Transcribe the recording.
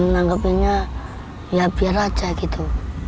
menanggapinya ya biar aja gitu